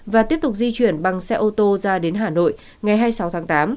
và tiếp tục di chuyển bằng xe ô tô ra đến hà nội ngày hai mươi sáu tháng tám